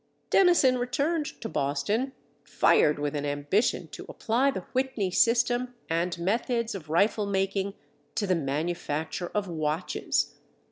Dennison returned to Boston, fired with an ambition to apply the Whitney system and methods of rifle making to the manufacture of watches.